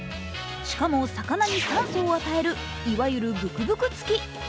しかも魚に酸素を与えるいわゆるブクブクつき。